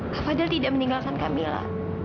kak fadil tidak meninggalkan kak mila